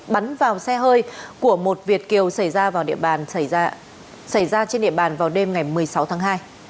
bắn vào xe hơi của một việt kiều xảy ra trên địa bàn vào đêm ngày một mươi sáu tháng hai